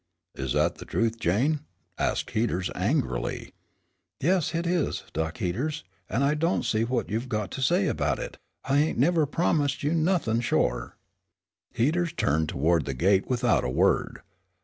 "Is that the truth, Jane?" asked Heaters, angrily. "Yes, hit is, Dock Heaters, an' I don't see what you've got to say about it; I hain't never promised you nothin' shore." Heaters turned toward the gate without a word.